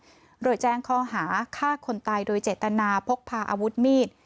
ด้วยแจ้งข้อหาฆ่าคนตายโดยเจตนาพกพาอาวุธมีด